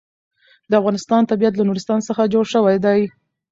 د افغانستان طبیعت له نورستان څخه جوړ شوی دی.